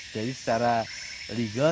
jadi secara legal